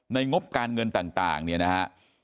งบการเงินต่างเนี่ยนะฮะ